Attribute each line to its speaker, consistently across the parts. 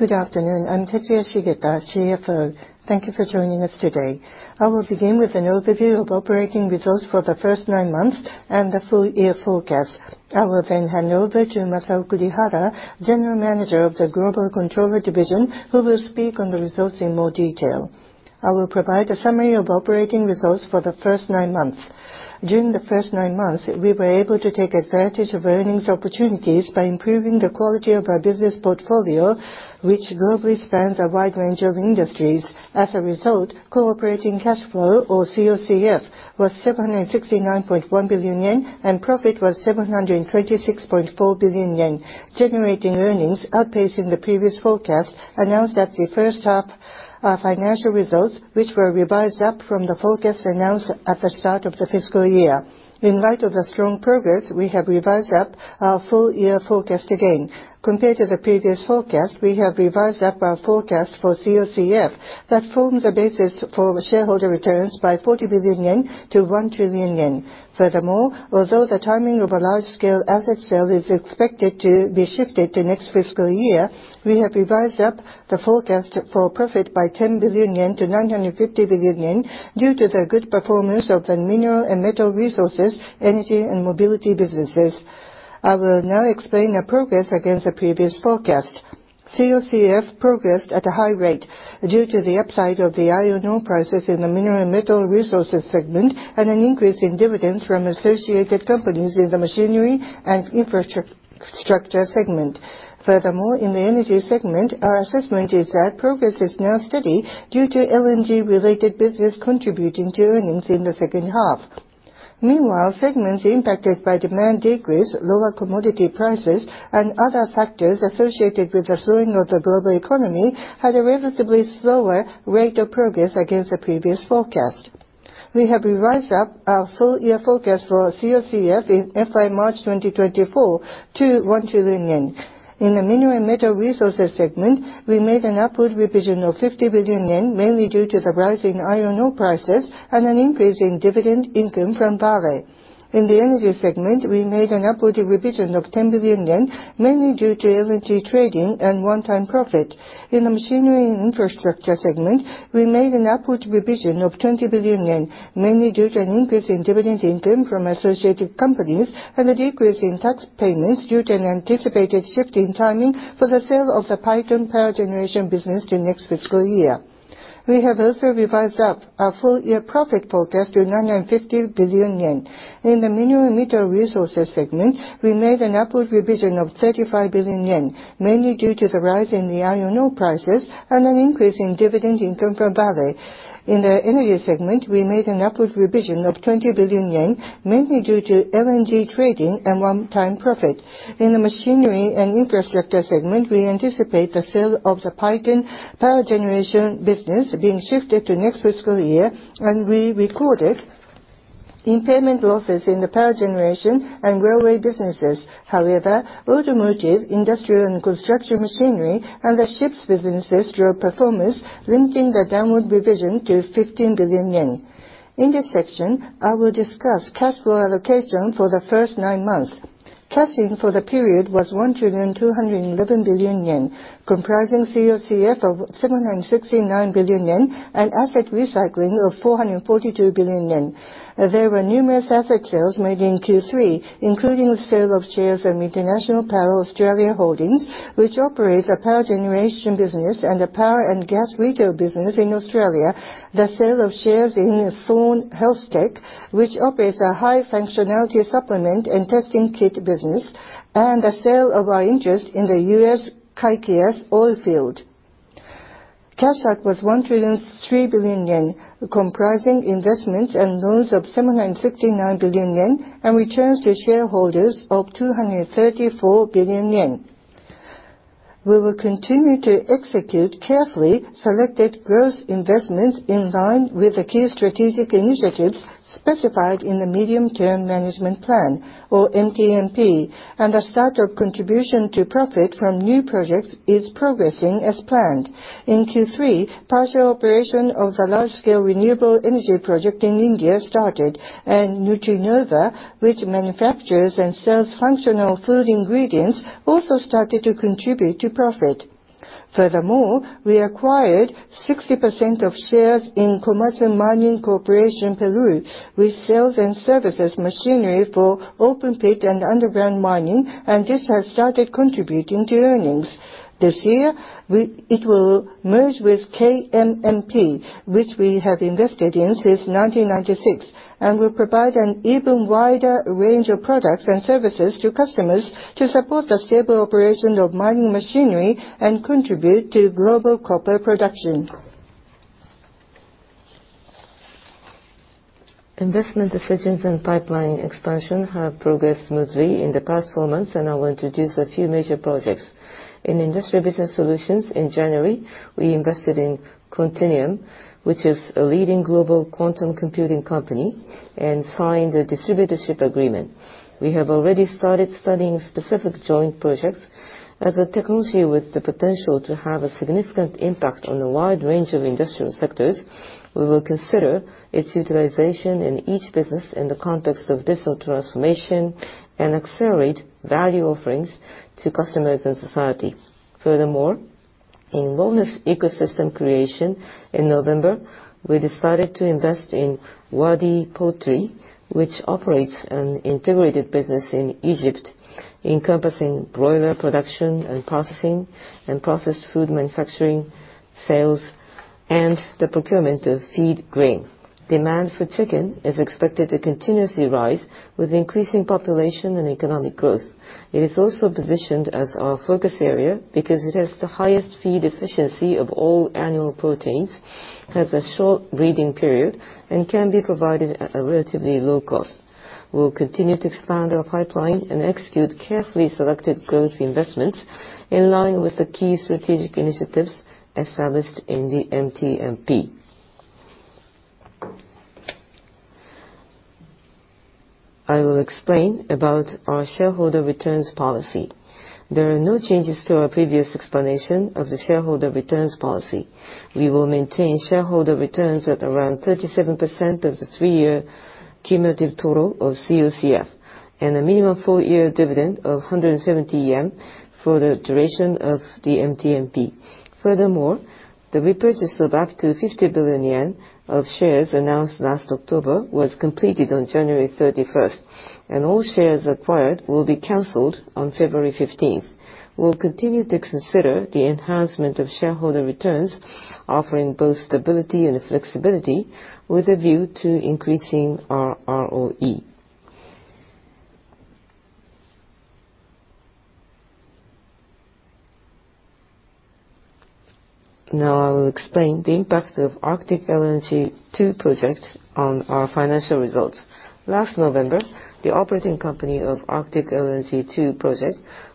Speaker 1: Good afternoon, I'm Tetsuya Shigeta, CFO. Thank you for joining us today. I will begin with an overview of operating results for the first nine months and the full year forecast. I will then hand over to Masao Kurihara, General Manager of the Global Controller Division, who will speak on the results in more detail. I will provide a summary of operating results for the first nine months. During the first nine months, we were able to take advantage of earnings opportunities by improving the quality of our business portfolio, which globally spans a wide range of industries. As a result, operating cash flow, or COCF, was 769.1 billion yen, and profit was 726.4 billion yen, generating earnings outpacing the previous forecast announced at the first half financial results, which were revised up from the forecast announced at the start of the fiscal year. In light of the strong progress, we have revised up our full year forecast again. Compared to the previous forecast, we have revised up our forecast for COCF. That forms a basis for shareholder returns by 40 billion yen to 1 trillion yen. Furthermore, although the timing of a large-scale asset sale is expected to be shifted to next fiscal year, we have revised up the forecast for profit by 10 billion yen to 950 billion yen, due to the good performance of the mineral and metal resources, energy, and mobility businesses. I will now explain the progress against the previous forecast. COCF progressed at a high rate due to the upside of the iron ore prices in the mineral and metal resources segment, and an increase in dividends from associated companies in the machinery and infrastructure segment. Furthermore, in the energy segment, our assessment is that progress is now steady due to LNG-related business contributing to earnings in the second half. Meanwhile, segments impacted by demand decrease, lower commodity prices, and other factors associated with the slowing of the global economy, had a relatively slower rate of progress against the previous forecast. We have revised up our full year forecast for COCF in FY March 2024 to 1 trillion yen. In the mineral and metal resources segment, we made an upward revision of 50 billion yen, mainly due to the rise in iron ore prices and an increase in dividend income from Vale. In the energy segment, we made an upward revision of 10 billion yen, mainly due to LNG trading and one-time profit. In the machinery and infrastructure segment, we made an upward revision of 20 billion yen, mainly due to an increase in dividend income from associated companies and a decrease in tax payments due to an anticipated shift in timing for the sale of the Paiton power generation business to next fiscal year. We have also revised up our full year profit forecast to 950 billion yen. In the mineral and metal resources segment, we made an upward revision of 35 billion yen, mainly due to the rise in the iron ore prices and an increase in dividend income from Vale. In the energy segment, we made an upward revision of 20 billion yen, mainly due to LNG trading and one-time profit. In the machinery and infrastructure segment, we anticipate the sale of the Paiton power generation business being shifted to next fiscal year, and we recorded impairment losses in the power generation and railway businesses. However, automotive, industrial and construction machinery, and the ships businesses drove performance, limiting the downward revision to 15 billion yen. In this section, I will discuss cash flow allocation for the first nine months. Cash flow for the period was 1,211 billion yen, comprising COCF of 769 billion yen and asset recycling of 442 billion yen. There were numerous asset sales made in Q3, including the sale of shares of International Power Australia Holdings, which operates a power generation business and a power and gas retail business in Australia, the sale of shares in Thorne HealthTech, which operates a high-functionality supplement and testing kit business, and the sale of our interest in the U.S. Kaikias Oil Field. Cash out was 1,003 billion yen, comprising investments and loans of 769 billion yen, and returns to shareholders of 234 billion yen. We will continue to execute carefully selected growth investments in line with the key strategic initiatives specified in the Medium-Term Management Plan, or MTMP, and the start of contribution to profit from new projects is progressing as planned. In Q3, partial operation of the large-scale renewable energy project in India started, and Nutrinova, which manufactures and sells functional food ingredients, also started to contribute to profit. Furthermore, we acquired 60% of shares in Komatsu Mining Corporation Peru, which sells and services machinery for open pit and underground mining, and this has started contributing to earnings. This year, it will merge with KMMP, which we have invested in since 1996, and will provide an even wider range of products and services to customers to support the stable operation of mining machinery and contribute to global copper production. Investment decisions and pipeline expansion have progressed smoothly in the past four months, and I will introduce a few major projects. In Industry Business Solutions in January, we invested in Quantinuum, which is a leading global quantum computing company, and signed a distributorship agreement. We have already started studying specific joint projects. As a technology with the potential to have a significant impact on a wide range of industrial sectors, we will consider its utilization in each business in the context of digital transformation and accelerate value offerings to customers and society. Furthermore, in wellness ecosystem creation in November, we decided to invest in Wadi Poultry, which operates an integrated business in Egypt, encompassing broiler production and processing, and processed food manufacturing, sales, and the procurement of feed grain. Demand for chicken is expected to continuously rise with increasing population and economic growth. It is also positioned as our focus area because it has the highest feed efficiency of all animal proteins, has a short breeding period, and can be provided at a relatively low cost. We'll continue to expand our pipeline and execute carefully selected growth investments in line with the key strategic initiatives established in the MTMP. I will explain about our shareholder returns policy. There are no changes to our previous explanation of the shareholder returns policy. We will maintain shareholder returns at around 37% of the 3-year cumulative total of COCF, and a minimum 4-year dividend of 170 yen for the duration of the MTMP. Furthermore, the repurchase of up to 50 billion yen of shares announced last October was completed on January 31st, and all shares acquired will be canceled on February 15th. We'll continue to consider the enhancement of shareholder returns, offering both stability and flexibility, with a view to increasing our ROE. Now I will explain the impact of Arctic LNG 2 project on our financial results. Last November, the operating company of Arctic LNG 2 project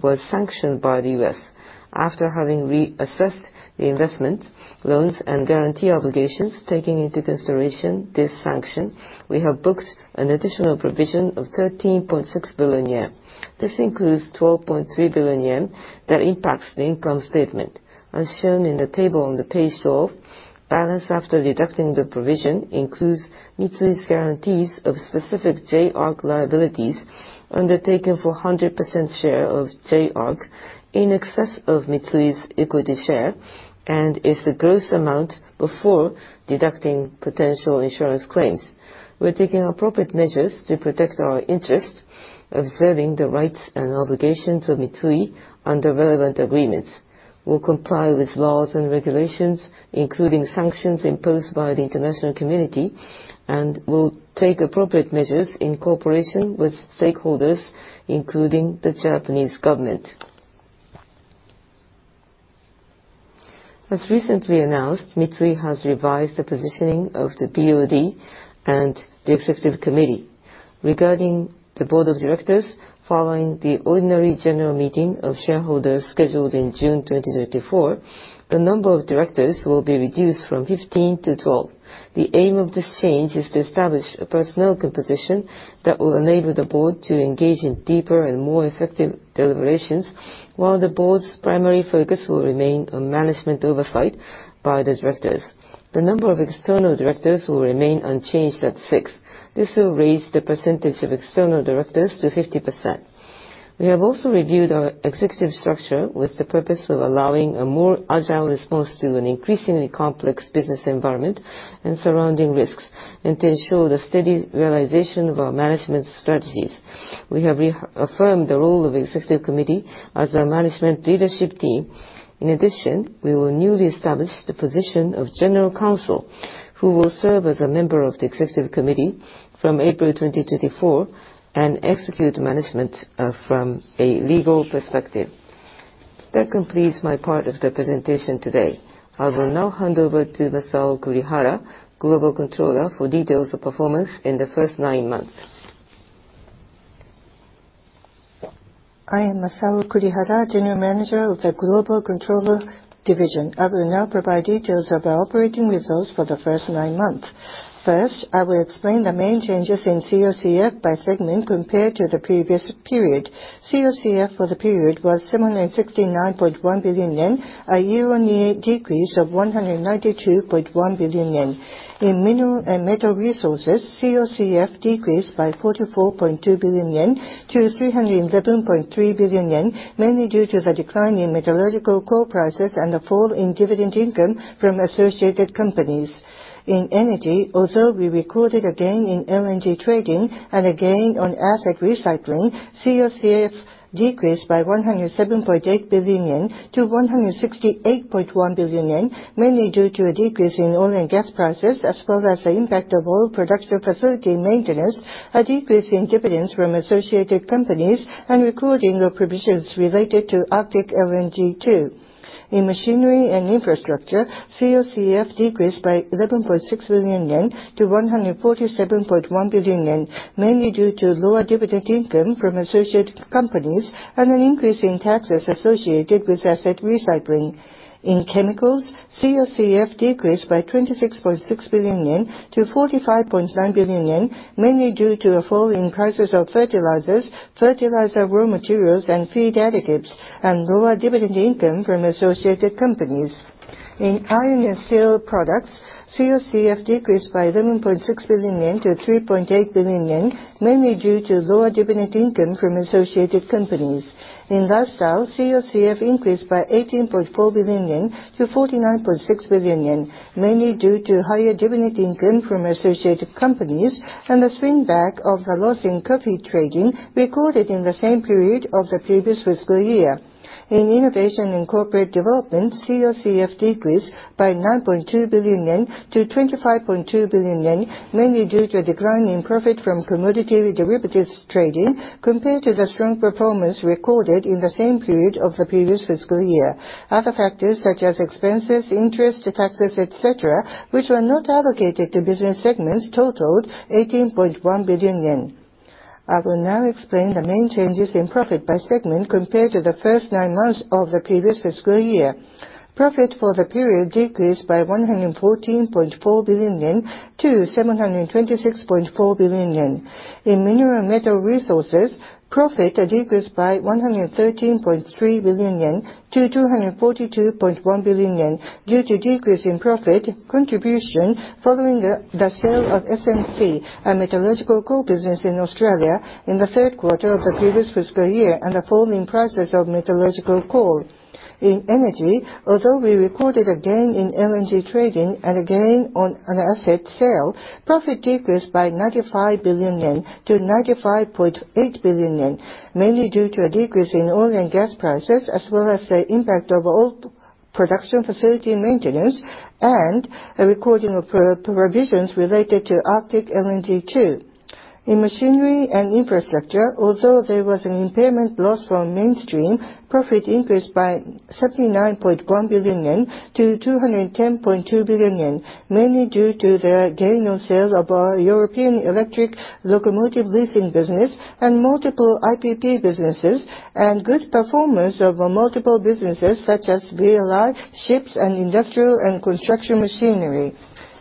Speaker 1: was sanctioned by the U.S. After having reassessed the investment, loans, and guarantee obligations, taking into consideration this sanction, we have booked an additional provision of 13.6 billion yen. This includes 12.3 billion yen that impacts the income statement. As shown in the table on the page 12, balance after deducting the provision includes Mitsui's guarantees of specific J-ARC liabilities undertaken for 100% share of J-ARC in excess of Mitsui's equity share, and is the gross amount before deducting potential insurance claims. We're taking appropriate measures to protect our interest, observing the rights and obligations of Mitsui under relevant agreements. We'll comply with laws and regulations, including sanctions imposed by the international community, and we'll take appropriate measures in cooperation with stakeholders, including the Japanese government. As recently announced, Mitsui has revised the positioning of the BOD and the executive committee. Regarding the board of directors, following the ordinary general meeting of shareholders scheduled in June 2024, the number of directors will be reduced from 15 to 12. The aim of this change is to establish a personnel composition that will enable the board to engage in deeper and more effective deliberations, while the board's primary focus will remain on management oversight by the directors. The number of external directors will remain unchanged at 6. This will raise the percentage of external directors to 50%. We have also reviewed our executive structure with the purpose of allowing a more agile response to an increasingly complex business environment and surrounding risks, and to ensure the steady realization of our management strategies. We have re-affirmed the role of the executive committee as our management leadership team. In addition, we will newly establish the position of general counsel, who will serve as a member of the executive committee from April 2024, and execute management from a legal perspective. That completes my part of the presentation today. I will now hand over to Masao Kurihara, Global Controller, for details of performance in the first nine months.
Speaker 2: I am Masao Kurihara, General Manager of the Global Controller Division. I will now provide details of our operating results for the first nine months. First, I will explain the main changes in COCF by segment compared to the previous period. COCF for the period was 769.1 billion yen, a year-on-year decrease of 192.1 billion yen. In mineral and metal resources, COCF decreased by 44.2 billion yen to 311.3 billion yen, mainly due to the decline in metallurgical coal prices and the fall in dividend income from associated companies. In energy, although we recorded a gain in LNG trading and a gain on asset recycling, COCF decreased by 107.8 billion yen to 168.1 billion yen, mainly due to a decrease in oil and gas prices, as well as the impact of oil production facility maintenance, a decrease in dividends from associated companies, and recording of provisions related to Arctic LNG 2. In machinery and infrastructure, COCF decreased by 11.6 billion yen to 147.1 billion yen, mainly due to lower dividend income from associated companies and an increase in taxes associated with asset recycling. In chemicals, COCF decreased by 26.6 billion yen to 45.9 billion yen, mainly due to a fall in prices of fertilizers, fertilizer raw materials, and feed additives, and lower dividend income from associated companies.... In iron and steel products, COCF decreased by 11.6 billion yen to JPY 3.8 billion, mainly due to lower dividend income from associated companies. In lifestyle, COCF increased by 18.4 billion yen to 49.6 billion yen, mainly due to higher dividend income from associated companies and the swing back of the loss in coffee trading recorded in the same period of the previous fiscal year. In innovation and corporate development, COCF decreased by 9.2 billion yen to 25.2 billion yen, mainly due to a decline in profit from commodity derivatives trading compared to the strong performance recorded in the same period of the previous fiscal year. Other factors such as expenses, interest, taxes, et cetera, which were not allocated to business segments, totaled 18.1 billion yen. I will now explain the main changes in profit by segment compared to the first nine months of the previous fiscal year. Profit for the period decreased by 114.4 billion yen to 726.4 billion yen. In mineral and metal resources, profit decreased by 113.3 billion yen to 242.1 billion yen due to decrease in profit contribution following the sale of SMC, a metallurgical coal business in Australia in the third quarter of the previous fiscal year, and the falling prices of metallurgical coal. In energy, although we recorded a gain in LNG trading and a gain on an asset sale, profit decreased by 95 billion yen to 95.8 billion yen, mainly due to a decrease in oil and gas prices, as well as the impact of oil production facility maintenance and a recording of provisions related to Arctic LNG 2. In machinery and infrastructure, although there was an impairment loss from Mainstream, profit increased by 79.1 billion yen to 210.2 billion yen, mainly due to the gain on sale of our European electric locomotive leasing business and multiple IPP businesses, and good performance of our multiple businesses such as VLI, ships, and industrial and construction machinery.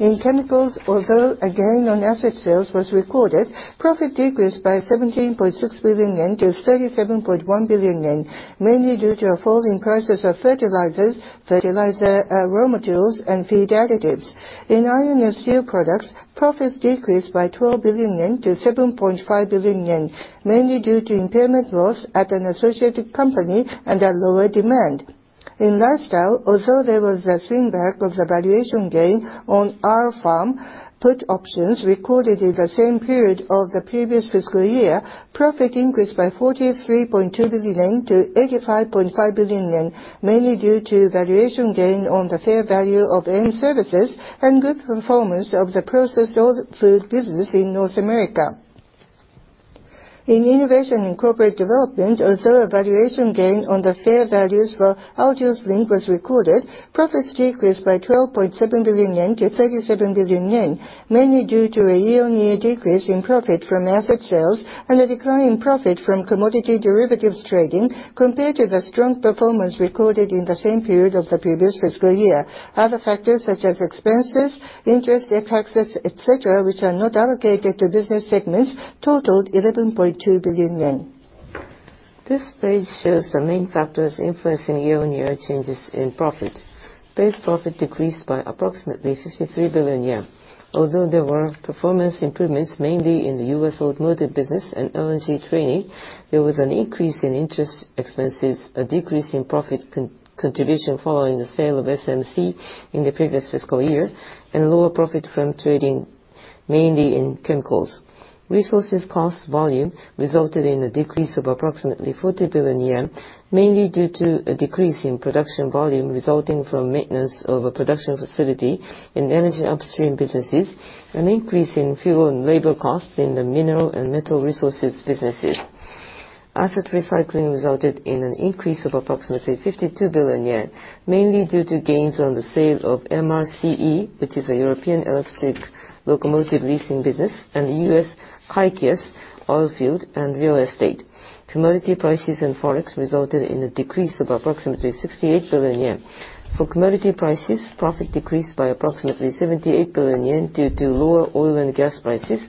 Speaker 2: In chemicals, although a gain on asset sales was recorded, profit decreased by 17.6 billion yen to 37.1 billion yen, mainly due to a fall in prices of fertilizers, fertilizer, raw materials, and feed additives. In iron and steel products, profits decreased by 12 billion yen to 7.5 billion yen, mainly due to impairment loss at an associated company and a lower demand. In lifestyle, although there was a swing back of the valuation gain on our Pharma, put options recorded in the same period of the previous fiscal year, profit increased by 43.2 billion yen to 85.5 billion yen, mainly due to valuation gain on the fair value of AIM Services and good performance of the processed food business in North America. In innovation and corporate development, although a valuation gain on the fair values for Altius Link was recorded, profits decreased by 12.7 billion yen to 37 billion yen, mainly due to a year-on-year decrease in profit from asset sales, and a decline in profit from commodity derivatives trading compared to the strong performance recorded in the same period of the previous fiscal year. Other factors such as expenses, interest, taxes, et cetera, which are not allocated to business segments, totaled 11.2 billion yen. This page shows the main factors influencing year-on-year changes in profit. Base profit decreased by approximately 53 billion yen. Although there were performance improvements mainly in the U.S. automotive business and LNG trading, there was an increase in interest expenses, a decrease in profit contribution following the sale of SMC in the previous fiscal year, and lower profit from trading, mainly in chemicals. Resources cost volume resulted in a decrease of approximately 40 billion yen, mainly due to a decrease in production volume resulting from maintenance of a production facility in energy upstream businesses, an increase in fuel and labor costs in the mineral and metal resources businesses. Asset recycling resulted in an increase of approximately 52 billion yen, mainly due to gains on the sale of MRCE, which is a European electric locomotive leasing business, and U.S. Kaikias oil field and real estate. Commodity prices and Forex resulted in a decrease of approximately 68 billion yen. For commodity prices, profit decreased by approximately 78 billion yen due to lower oil and gas prices,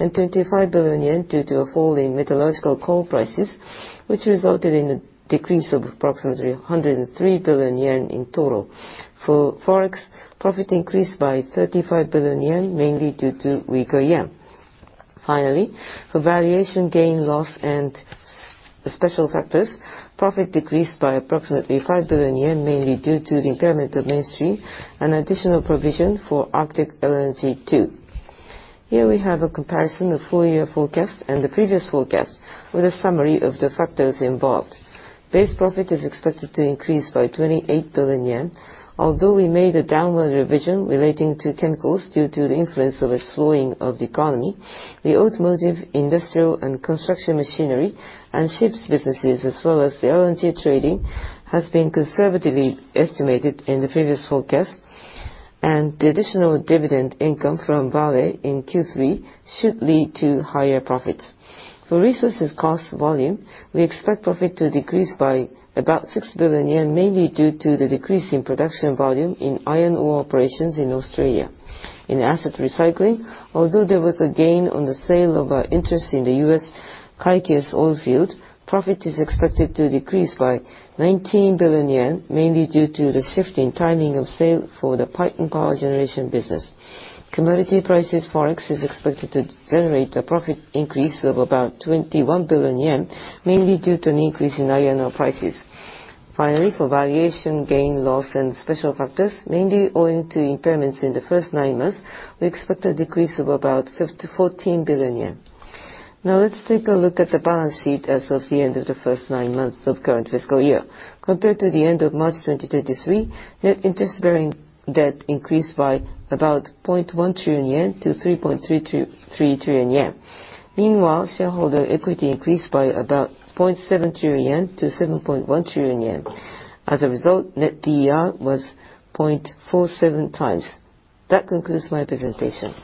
Speaker 2: and 25 billion yen due to a fall in metallurgical coal prices, which resulted in a decrease of approximately 103 billion yen in total. For Forex, profit increased by 35 billion yen, mainly due to weaker yen. Finally, for valuation gain, loss, and special factors, profit decreased by approximately 5 billion yen, mainly due to the impairment of Mainstream and additional provision for Arctic LNG 2. Here we have a comparison of full year forecast and the previous forecast with a summary of the factors involved. Base profit is expected to increase by 28 billion yen. Although we made a downward revision relating to chemicals due to the influence of a slowing of the economy, the automotive, industrial, and construction machinery, and ships businesses, as well as the LNG trading, has been conservatively estimated in the previous forecast, and the additional dividend income from Vale in Q3 should lead to higher profits. For resources cost volume, we expect profit to decrease by about 6 billion yen, mainly due to the decrease in production volume in iron ore operations in Australia. In asset recycling, although there was a gain on the sale of our interest in the U.S. Kaikias oil field, profit is expected to decrease by 19 billion yen, mainly due to the shift in timing of sale for the Paiton power generation business. Commodity prices, Forex is expected to generate a profit increase of about 21 billion yen, mainly due to an increase in iron ore prices. Finally, for valuation gain, loss, and special factors, mainly owing to impairments in the first nine months, we expect a decrease of about 14 billion yen. Now, let's take a look at the balance sheet as of the end of the first nine months of current fiscal year. Compared to the end of March 2023, net interest-bearing debt increased by about 0.1 trillion yen to 3.323 trillion yen. Meanwhile, shareholder equity increased by about 0.7 trillion yen to 7.1 trillion yen. As a result, net DER was 0.47 times. That concludes my presentation.